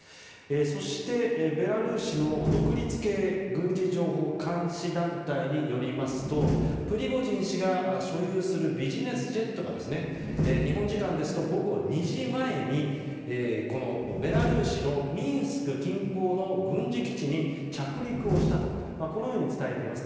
そして、ベラルーシの独立系軍事情報監視団体によりますとプリゴジン氏が所有するビジネスジェットが日本時間ですと午後２時前にベラルーシのミンスク近郊の軍事基地に着陸をしたとこのように伝えています。